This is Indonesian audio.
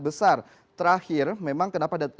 besar terakhir memang kenapa